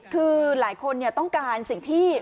คือหลายคนต้องการสิ่งที่